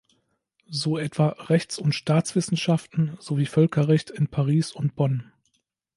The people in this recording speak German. So etwa Rechts- und Staatswissenschaften sowie Völkerrecht in Paris und Bonn.